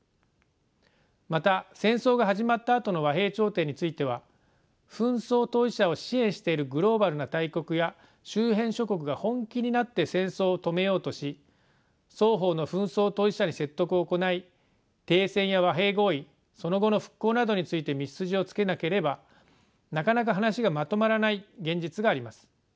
また戦争が始まったあとの和平調停については紛争当事者を支援しているグローバルな大国や周辺諸国が本気になって戦争を止めようとし双方の紛争当事者に説得を行い停戦や和平合意その後の復興などについて道筋をつけなければなかなか話がまとまらない現実があります。